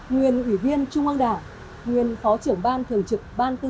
nguyên ủy viên trung ương đảng nguyên phó trưởng ban thường trực ban